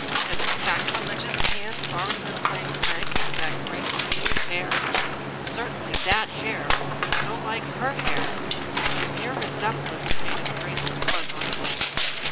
Had sacrilegious hands already been playing pranks with that great lady's 277 English Mystery Stories hair? Certainly, that hair was so like her hair that the mere resemblance made his grace's blood run cold.